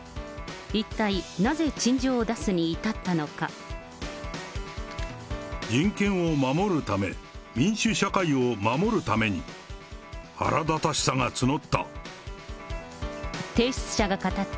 一体、なぜ陳情を出すに至ったの人を守るため、民主社会を守るために、腹立たしさが募った。